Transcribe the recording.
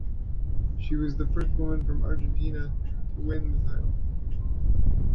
She was the first woman from Argentina to win the title.